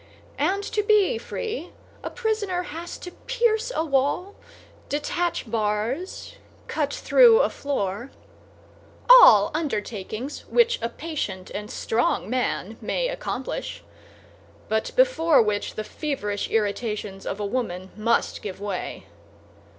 And to be free, a prisoner has to pierce a wall, detach bars, cut through a floor—all undertakings which a patient and strong man may accomplish, but before which the feverish irritations of a woman must give way.